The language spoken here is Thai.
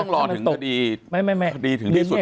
ต้องรอถึงคดีคดีถึงที่สุดมากหรือเปล่า